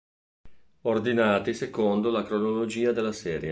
Ordinati secondo la cronologia della serie